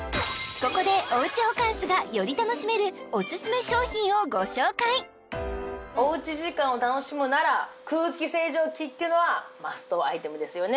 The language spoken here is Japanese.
ここでおうちホカンスがより楽しめるオススメ商品をご紹介おうち時間を楽しむなら空気清浄機っていうのはマストアイテムですよね